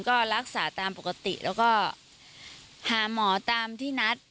ก็รักษาตามปกติแล้วก็หาหมอตามที่นัด